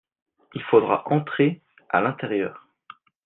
il faudra entrer à l'intérieur.